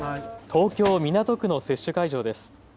東京港区の接種会場です。